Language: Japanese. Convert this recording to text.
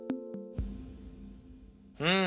うん。